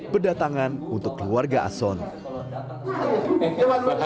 berdatangan untuk kembali ke rumah